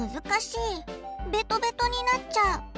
ベトベトになっちゃう。